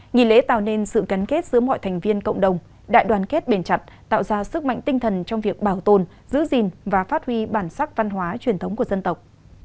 nghi lễ tạo nên sự gắn kết giữa mọi thành viên cộng đồng đại đoàn kết bền chặt tạo ra sức mạnh tinh thần trong việc bảo tồn giữ gìn và phát huy bản sắc văn hóa truyền thống của dân tộc